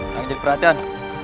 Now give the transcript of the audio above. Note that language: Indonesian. jangan jadi perhatian